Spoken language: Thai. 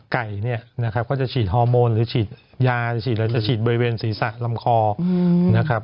ไก่เนี่ยนะครับก็จะฉีดฮอร์โมนหรือฉีดยาฉีดบริเวณศีรษะลำคอนะครับ